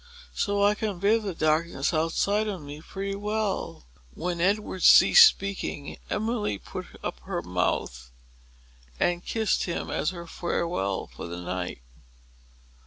So I can bear the darkness outside of me pretty well." When Edward ceased speaking, Emily put up her mouth and kissed him as her farewell for the night.